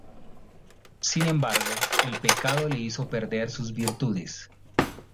Sin embargo, el pecado le hizo perder sus virtudes.